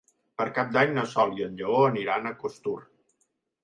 Per Cap d'Any na Sol i en Lleó aniran a Costur.